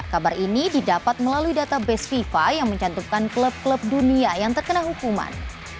kabar ini didapat melalui database fifa yang mencantumkan klub klub dunia yang terkena hukuman